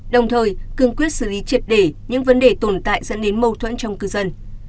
đồng thời cương quyết xử lý triệt để những vấn đề tồn tại dẫn đến mâu thuẫn trong cư dân